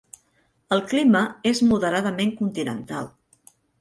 El clima és moderadament continental.